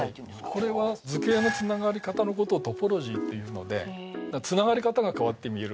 はいこれは図形のつながり方のことをトポロジーというのでつながり方が変わって見える